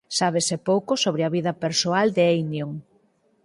Sábese pouco sobre a vida persoal de Einion.